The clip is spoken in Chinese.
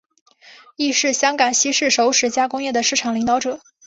亦是香港西式熟食加工业的市场领导者。